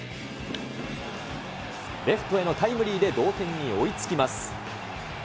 レフトへのタイムリーで同点に追いつきます。